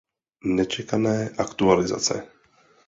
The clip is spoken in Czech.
Nečekané aktualizace.